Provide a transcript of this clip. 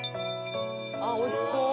あっおいしそう！